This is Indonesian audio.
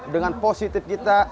dengan positif kita